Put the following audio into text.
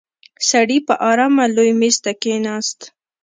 سړی په آرامه لوی مېز ته کېناست.